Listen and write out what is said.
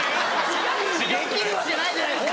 できるわけないじゃないですか！